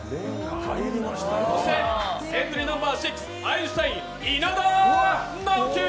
エントリナンバー６、アインシュタイン・稲田直樹。